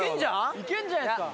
いけんじゃないっすか？